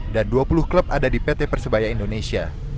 dan dua puluh klub ada di pt persebaya indonesia